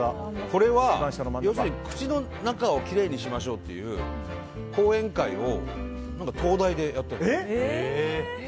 これは要するに口の中をきれいにしましょうっていう講演会を東大でやったんです。